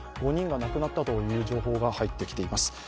５人が亡くなったという情報が入ってきています。